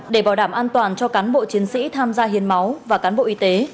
để bảo đảm an toàn cho cán bộ chiến sĩ tham gia hiến máu và cán bộ y tế